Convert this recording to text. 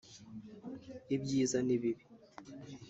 ibyiza n’ibibi